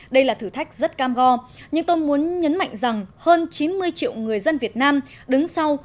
đây là thử thách rất cam go nhưng tôi muốn nhấn mạnh rằng hơn chín mươi triệu người dân việt nam đứng sau